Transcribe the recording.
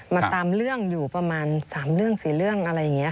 มาตามเรื่องอยู่ประมาณ๓๔เรื่องอะไรอย่างนี้ค่ะ